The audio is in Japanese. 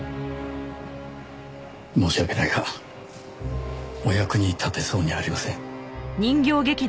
申し訳ないがお役に立てそうにありません。